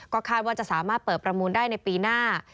คาดว่าจะสามารถเปิดประมูลได้ในปีหน้า